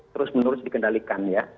terus menurut dikendalikan ya